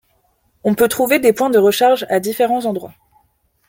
On peut trouver des points de recharge à différents endroits.